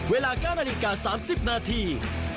เวลา๙นาฬิกา๓๐นาที